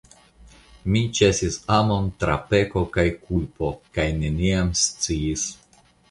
Mi ĉasis amon tra peko kaj kulpo, kaj neniam sciis.